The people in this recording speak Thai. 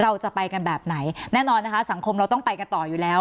เราจะไปกันแบบไหนแน่นอนนะคะสังคมเราต้องไปกันต่ออยู่แล้ว